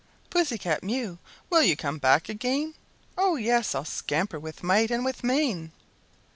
"Pussy cat Mew, will you come back again?" "Oh, yes! I'll scamper with might and with main!